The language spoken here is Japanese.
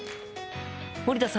森田さん